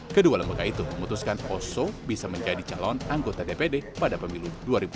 kedua lembaga itu memutuskan oso bisa menjadi calon anggota dpd pada pemilu dua ribu dua puluh